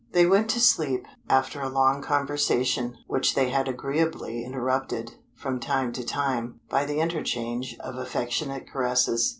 They went to sleep, after a long conversation, which they had agreeably interrupted, from time to time, by the interchange of affectionate caresses.